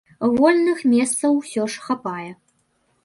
Вольных месцаў усё ж хапае.